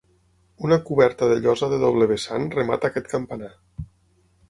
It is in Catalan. Una coberta de llosa de doble vessant remata aquest campanar.